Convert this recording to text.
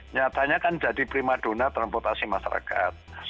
nyatanya kan jadi primadona transportasi masyarakat